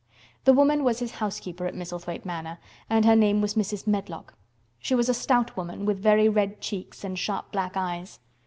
The woman was his housekeeper at Misselthwaite Manor, and her name was Mrs. Medlock. She was a stout woman, with very red cheeks and sharp black eyes.